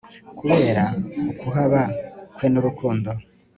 kubera ukuhaba kwe nurukundo